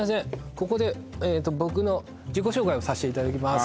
ここで僕の自己紹介をさせていただきます